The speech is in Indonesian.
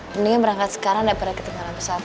mendingan berangkat sekarang daripada ketinggalan pesawat